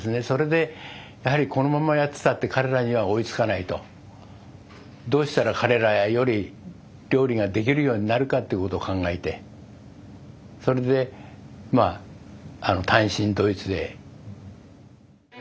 それでやはりこのままやってたって彼らには追いつかないと。どうしたら彼らより料理ができるようになるかっていうことを考えてそれでまあ単身ドイツへ。